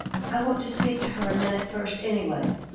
"I want to speak to her a minute first, anyway."